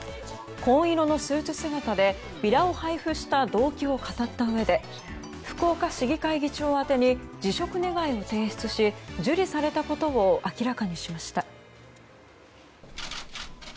紺色のスーツ姿でビラを配布した動機を語ったうえで福岡市議会議長宛てに辞職願を提出し受理されたことを明らかにしました。